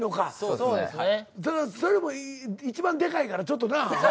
それでも一番でかいからちょっとな。